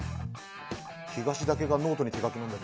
「東」だけがノートに手書きなんだけど。